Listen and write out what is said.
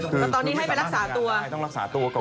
ก็ตอนนี้ให้ไปรักษาตัวให้ต้องรักษาตัวก่อน